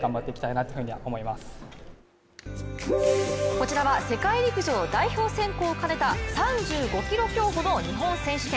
こちらは世界陸上代表選考を兼ねた３５ｋｍ競歩の日本選手権。